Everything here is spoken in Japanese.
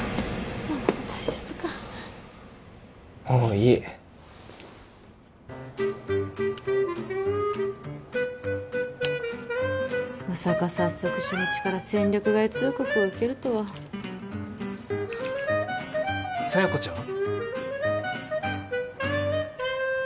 まあ大丈夫かもういいまさか早速初日から戦力外通告を受けるとははあ佐弥子ちゃん？